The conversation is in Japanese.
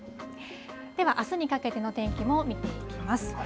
では、あすにかけての天気も見ていきます。